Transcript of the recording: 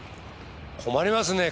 困りますね